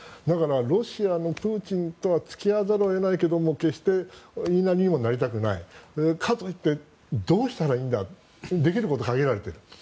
ロシアのプーチンとは付き合わざるを得ないけど決していいなりにもなりたくないかといって、どうしたらいいんだできることは限られているんです。